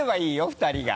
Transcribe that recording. ２人が。